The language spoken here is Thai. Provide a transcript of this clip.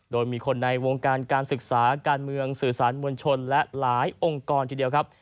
โดยมีคนในวงการการศึกษาการเมืองสื่อสารมวลชนและหลายองค์กรทีเดียวครับ